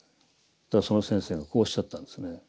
そうしたらその先生がこうおっしゃったんですね。